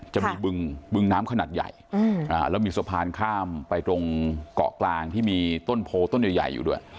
จะมีบึงบึงน้ำขนาดใหญ่แล้วมีสะพานข้ามไปตรงเกาะกลางที่มีต้นโพต้นใหญ่อยู่ด้วย